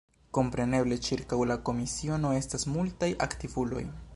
Kompreneble ĉirkaŭ la komisiono estas multaj aktivuloj.